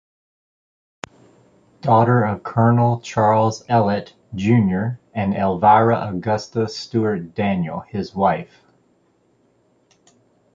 Daughter of Colonel Charles Ellet, Junior and Elvira Augusta Stuart Daniel, his wife.